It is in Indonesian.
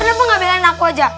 kenapa nggak belain aku aja